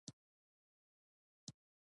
سپين ږيري د جومات مخې ته ناسته کوي.